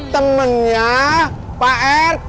temennya pak rt